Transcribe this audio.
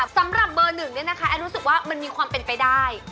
สำหรับเบอร์๑แอนรู้สึกว่ามันมีความเป็นไปได้